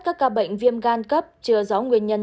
các ca bệnh viêm gan cấp chưa rõ nguyên nhân